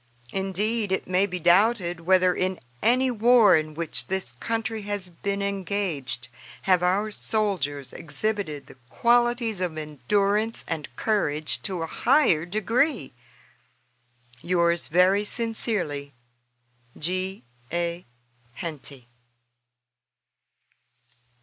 Indeed, it may be doubted whether in any war in which this country has been engaged have our soldiers exhibited the qualities of endurance and courage to a higher degree. Yours very sincerely, G. A. HENTY.